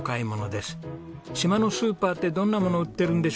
島のスーパーってどんなものを売ってるんでしょうか？